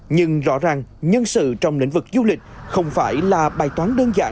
nhưng rõ ràng nhân sự trong lĩnh vực du lịch không phải là bài toán đơn giản